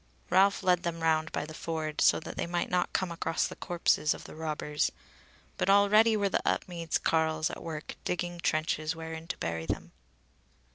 Ralph led them round by the ford, so that they might not come across the corpses of the robbers; but already were the Upmeads carles at work digging trenches wherein to bury them.